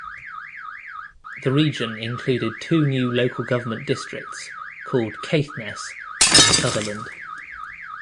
The region included two new local government districts, called "Caithness" and "Sutherland".